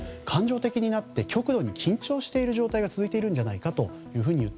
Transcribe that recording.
感情的になって極度に緊張している状態が続いているのではないかと。